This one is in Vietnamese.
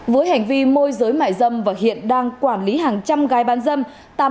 với hành vi môi giới mại dâm và hiện đang quản lý hàng trăm gái bán dâm